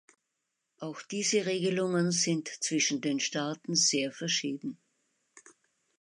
Auch diese Regelungen sind zwischen den Staaten sehr verschieden.